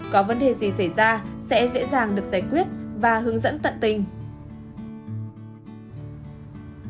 có vấn đề gì xảy ra sẽ dễ dàng được giải quyết và hướng dẫn tận tình